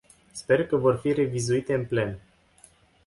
Sper că vor fi revizuite în plen.